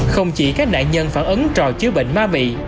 không chỉ các nạn nhân phản ánh trò chứa bệnh ma mị